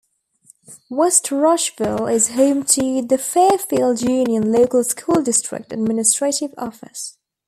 West Rushville is home to the Fairfield Union Local School District Administrative Office.